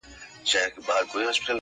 په شب پرستو بد لګېږم ځکه,